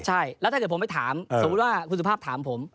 ใช่แล้วถ้าเกิดผมไปถามสมมุติว่าคุณสุภาพถามผม